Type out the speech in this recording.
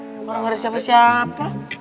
orang orang siapa siapa